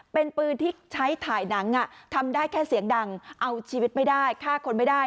เป็นปืนที่ใช้ถ่ายหนังทำได้แค่เสียงดังเอาชีวิตไม่ได้ฆ่าคนไม่ได้